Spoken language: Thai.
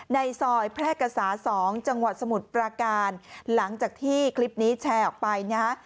ในซอยแพร่กษา๒จังหวัดสมุทรปราการหลังจากที่คลิปนี้แชร์ออกไปนะฮะ